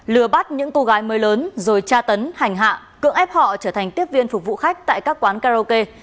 lừa bắt những cô gái mới lớn rồi tra tấn hành hạ cưỡng ép họ trở thành tiếp viên phục vụ khách tại các quán karaoke